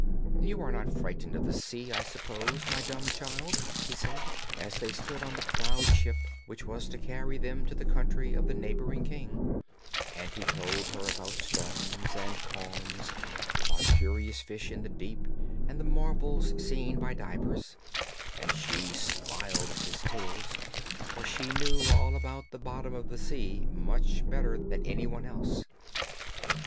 'You are not frightened of the sea, I suppose, my dumb child?' he said, as they stood on the proud ship which was to carry them to the country of the neighbouring king; and he told her about storms and calms, about curious fish in the deep, and the marvels seen by divers; and she smiled at his tales, for she knew all about the bottom of the sea much better than any one else.